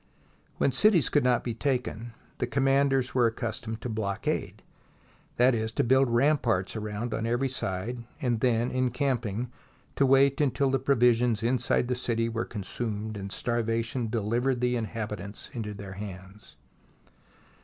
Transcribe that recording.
When cities could not be taken, the commanders were accustomed to blockade — that is, to build ramparts around on every side, and then, encamp ing, to wait until the provisions inside the city were consumed and starvation delivered the inhabitants into their hands.